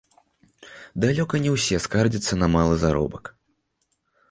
Далёка не ўсе скардзяцца на малы заробак.